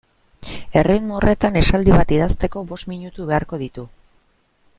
Erritmo horretan esaldi bat idazteko bost minutu beharko ditu.